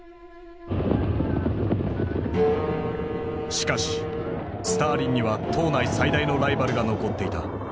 しかしスターリンには党内最大のライバルが残っていた。